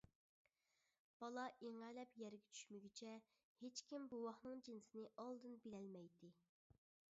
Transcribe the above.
بالا ئىڭەلەپ يەرگە چۈشمىگۈچە، ھېچكىم بوۋاقنىڭ جىنسىنى ئالدىن بىلەلمەيتتى.